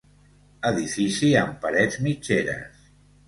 Edifici amb parets mitgeres.